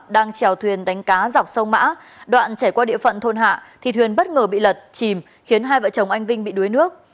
đang trèo thuyền đánh cá dọc sông mã đoạn chảy qua địa phận thôn hạ thì thuyền bất ngờ bị lật chìm khiến hai vợ chồng anh vinh bị đuối nước